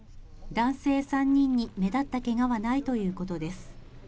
男性３人に目立ったけがはないということです。